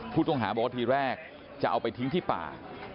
ผู้ต้องหาบอกว่าทีแรกจะเอาไปทิ้งที่ป่า